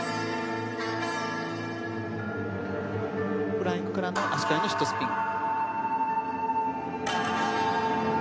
フライングからの足換えのシットスピン。